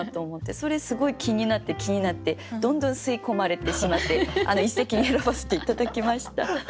それすごい気になって気になってどんどん吸い込まれてしまって一席に選ばせて頂きました。